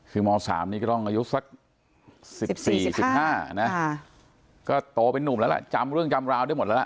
คือม๓นี่ก็ต้องอายุสัก๑๔๑๕นะก็โตเป็นนุ่มแล้วล่ะจำเรื่องจำราวได้หมดแล้วล่ะ